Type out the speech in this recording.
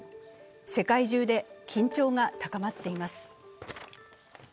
世界中で緊張が高まっています。